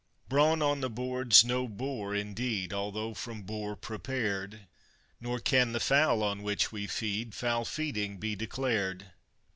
Brawn on the board's no bore indeed although from boar prepared; Nor can the fowl, on which we feed, foul feeding he declared.